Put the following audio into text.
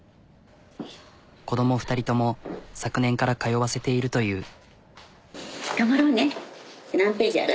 子ども２人とも昨年から通わせているという。